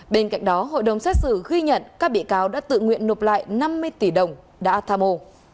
bên cạnh đó hội đồng xét xử ghi nhận các bị cáo đã tự nguyện nộp lại năm mươi tỷ đồng đã tham ô